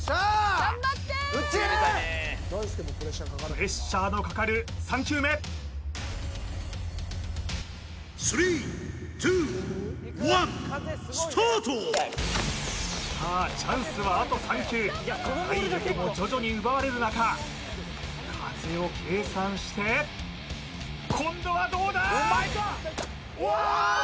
プレッシャーのかかる３球目スタートさあチャンスはあと３球体力も徐々に奪われる中風を計算して今度はどうだ？